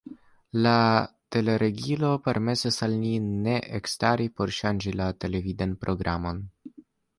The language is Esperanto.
La teleregilo permesas al ni ne ekstari por ŝanĝi la televidan programon.